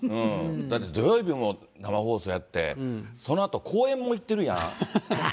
だって、土曜日も生放送やって、そのあと講演も行ってるやん。